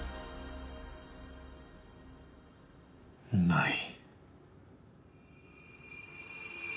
ない。